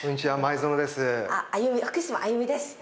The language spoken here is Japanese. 福島あゆみです。